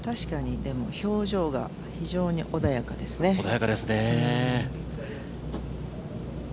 表情が非常に穏やかですね。